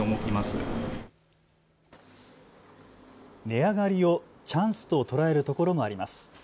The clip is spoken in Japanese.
値上がりをチャンスと捉えるところもあります。